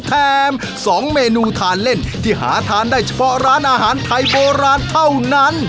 แถม๒เมนูทานเล่นที่หาทานได้เฉพาะร้านอาหารไทยโบราณเท่านั้น